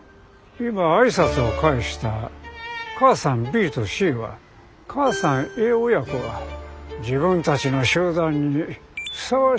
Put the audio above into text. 今挨拶を返した母さんＢとＣは母さんＡ親子が自分たちの集団にふさわしいか品定めしています。